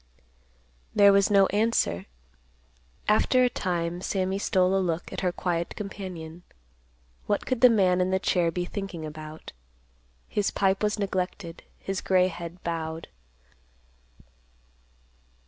There was no answer. After a time, Sammy stole a look at her quiet companion. What could the man in the chair be thinking about? His pipe was neglected; his gray head bowed.